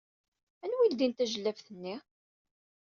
Anwa ay iledyen tajellabt-nni?